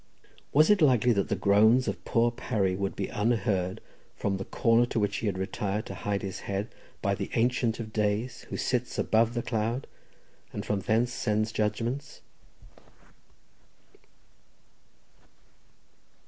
Was it likely that the groans of poor Parry would be unheard from the corner to which he had retired to hide his head by "the Ancient of days," who sits above the cloud, and from thence sends judgments?